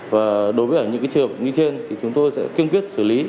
và đối với những trường như trên thì chúng tôi sẽ kiên quyết xử lý